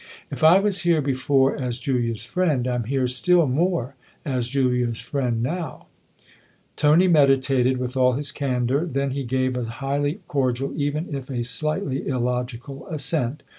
If I was here before as 152 THE OTHER HOUSE Julia's friend, I'm here still more as Julia's friend now." Tony meditated, with all his candour; then he gave a highly cordial, even if a slightly illogical assent.